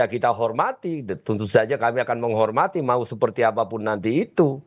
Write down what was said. kita hormati tentu saja kami akan menghormati mau seperti apapun nanti itu